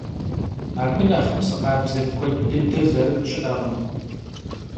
Abı nexh psı khabze kued dıde zerıt şı'ekhım.